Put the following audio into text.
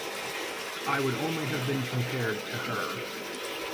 I would only have been compared to her.